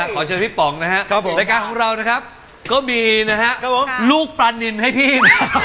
ขอเชิญพี่ป๋องนะครับผมรายการของเรานะครับก็มีนะฮะลูกปลานินให้พี่